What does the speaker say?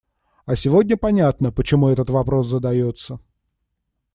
А сегодня понятно, почему этот вопрос задается.